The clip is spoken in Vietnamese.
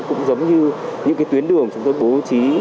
cũng giống như những cái tuyến đường chúng tôi bố trí